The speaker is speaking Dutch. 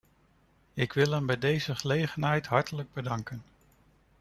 Ik wil hem bij deze gelegenheid hartelijk bedanken.